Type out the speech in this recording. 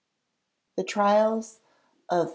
_THE TRIALS OF M.